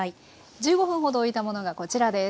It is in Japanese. １５分ほどおいたものがこちらです。